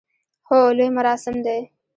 هو، لوی مراسم دی